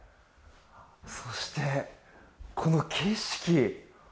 そして、この景色。